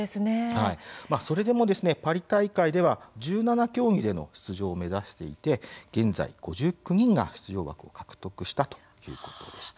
それでもパリ大会では１７競技での出場を目指していて現在５９人が出場枠を獲得したということでした。